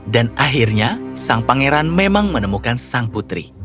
dan akhirnya sang pangeran memang menemukan sang putri